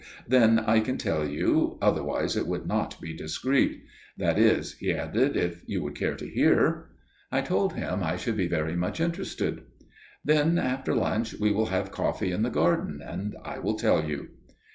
Then I can tell you, otherwise it would not be discreet; that is––" he added, "if you would care to hear." I told him I should be very much interested. "Then after lunch we will have coffee in the garden, and I will tell you."